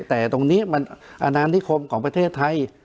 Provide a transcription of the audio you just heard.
แต่ตรงนี้มันอนานิคมของประเทศไทย